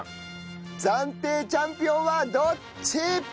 暫定チャンピオンはどっち！？